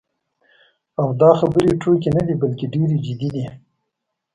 او دا خبرې ټوکې نه دي، بلکې ډېرې جدي دي.